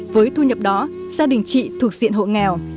với thu nhập đó gia đình chị thuộc diện hộ nghèo